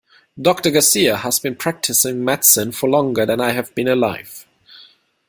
Doctor Garcia has been practicing medicine for longer than I have been alive.